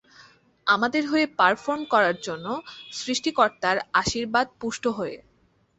আমাদের হয়ে পারফর্ম করার জন্য, সৃষ্টিকর্তার আশীর্বাদ পুষ্ট হয়ে।